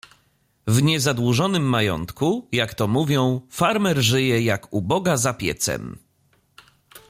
"W niezadłużonym majątku, jak to mówią, farmer żyje jak u Boga za piecem."